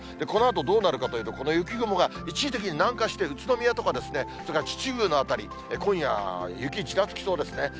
このあとどうなるかというと、この雪雲が一時的に南下して、宇都宮とか、それから秩父の辺り、今夜雪、ちらつきそうですね。